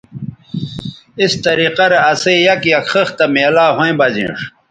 اِس طریقہ رے اسئ یک یک خِختہ میلاو ھویں بہ زینݜ